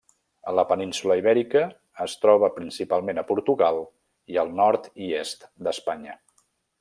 A la península Ibèrica es troba principalment a Portugal i al nord i est d'Espanya.